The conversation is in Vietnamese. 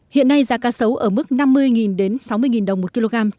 hiện nay giá cá sấu ở mức năm mươi sáu mươi đồng một kg